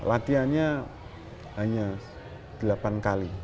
latihannya hanya delapan kali